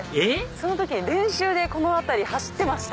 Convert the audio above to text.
その時に練習でこの辺り走ってました。